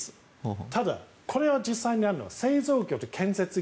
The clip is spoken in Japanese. ただ、これは実際にあるのは製造業と建設業。